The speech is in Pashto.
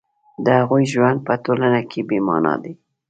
د هغوی ژوند په ټولنه کې بې مانا دی